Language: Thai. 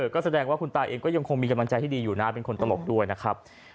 ก็แสดงว่าคุณตาเองก็ยังคงมีกำลังใจที่ดีอยู่นะเป็นคนตลกด้วยนะครับ